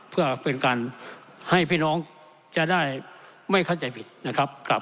เพื่อเป็นการให้พี่น้องจะได้ไม่เข้าใจผิดนะครับ